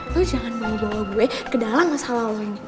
lo jangan mau bawa gue ke dalam masalah lo ini